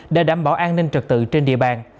để đảm bảo an ninh trật tự trên địa bàn